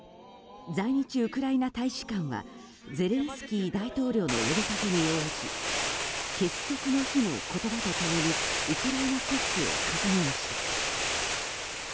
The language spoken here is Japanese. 在日ウクライナ大使館はゼレンスキー大統領の呼びかけに応じ結束の日の言葉と共にウクライナ国旗を掲げました。